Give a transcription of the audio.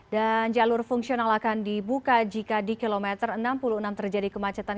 dan jalur fungsional akan dibuka jika di kilometer enam puluh enam terjadi kemacetan